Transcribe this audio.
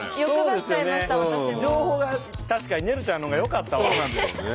情報が確かにねるちゃんのほうがよかったわ。